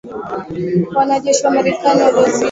Wanajeshi wa Marekani wasiozidi mia tano wameidhinishwa